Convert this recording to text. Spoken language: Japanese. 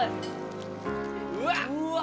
うわっ！